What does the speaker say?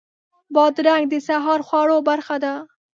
بادرنګ د سهار خوړو برخه ده.